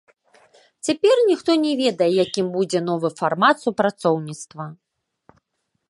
Цяпер ніхто не ведае, якім будзе новы фармат супрацоўніцтва.